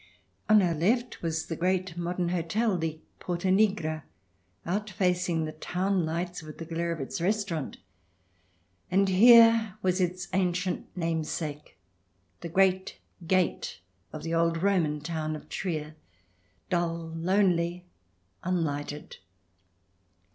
On our left was the great modern hotel, " The Porta Nigra," outfacing the town lights with the glare of its restaurant, and here was its ancient namesake, the great gate of the old Roman town of Trier, dull, lonely, unlighted.